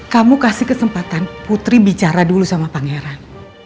kamu kasih kesempatan putri bicara dulu sama pangeran